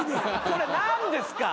これ何ですか？